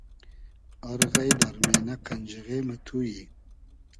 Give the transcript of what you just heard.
آر غݷد آر مېنۂ قئنجیغې مۂ تو یی